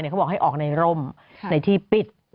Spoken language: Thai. เขาบอกให้ออกในร่มในที่ปิด